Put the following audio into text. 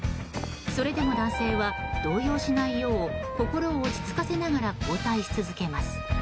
それでも男性は動揺しないよう心を落ち着かせながら後退し続けます。